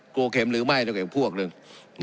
กลัวเข็มหรือไม่แล้วกับพวกนึง